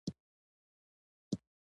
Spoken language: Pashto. انګریزانو خپلواکي په رسمیت وپيژندله.